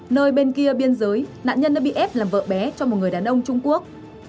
nơi bên kia biên giới nạn nhân đã bị ép làm vợ bé cho một người đàn ông trung quốc